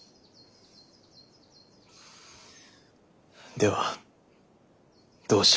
ではどうしろと？